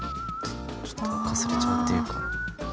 ちょっとかすれちゃうっていうか。